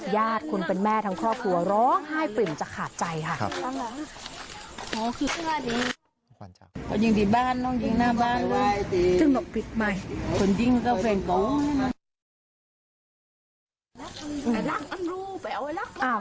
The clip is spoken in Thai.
ญาติคนเป็นแม่ทั้งครอบครัวร้องไห้ปริ่มจะขาดใจค่ะ